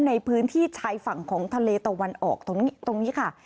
ในพื้นที่ชายฝั่งของทะเลตะวันออกตรงนี้ค่ะ